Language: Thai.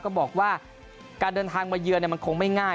ก็บอกว่าการเดินทางมาเยือนมันคงไม่ง่าย